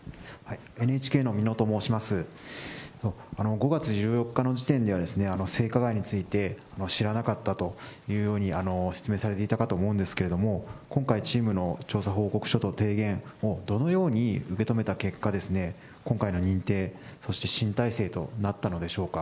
５月１４日の時点では、性加害について知らなかったというように説明されていたかと思うんですけれども、今回、チームの調査報告書と提言をどのように受け止めた結果、今回の認定、そして新体制となったのでしょうか。